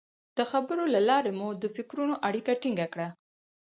د خبرو له لارې مو د فکرونو اړیکه ټینګه کړه.